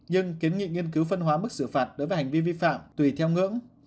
nhưng kiến nghị nghiên cứu phân hóa mức xử phạt đối với hành vi vi phạm tùy theo ngưỡng